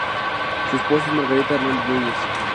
Su esposa es Margarita Hernández Núñez.